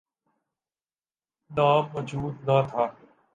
نام موجود نہ تھا۔